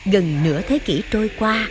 gần nửa thế kỷ trôi qua